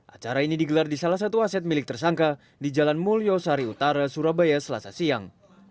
acara ini digelar di salah satu aset milik tersangka di jalan mulyo sari utara surabaya selasa siang